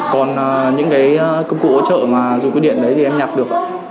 còn những cái công cụ ủng hộ trợ mà dùng cái điện đấy thì em nhặt được